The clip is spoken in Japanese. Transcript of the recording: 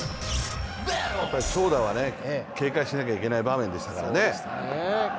長打は警戒しなきゃいけない場面でしたからね。